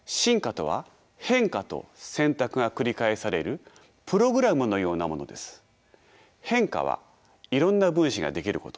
変化はいろんな分子が出来ること。